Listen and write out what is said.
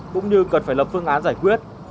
cũng như cần phải lập phương án giải quyết